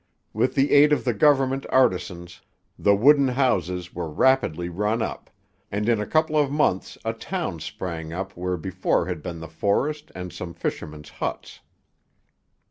With the aid of the government artisans, the wooden houses were rapidly run up; and in a couple of months a town sprang up where before had been the forest and some fishermen's huts.